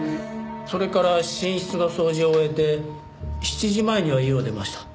それから寝室の掃除を終えて７時前には家を出ました。